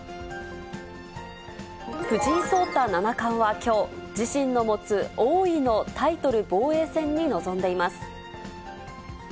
藤井聡太七冠はきょう、自身の持つ王位のタイトル防衛戦に臨んでいます。